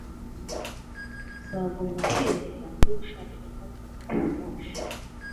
Uzagomba kwiruka niba ushaka gufata gari ya moshi.